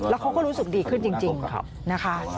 แล้วเขาก็รู้สึกดีขึ้นจริงนะคะ